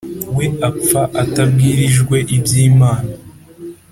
we apfa atabwirijwe ibyi mana